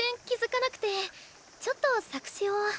気付かなくてちょっと作詞を。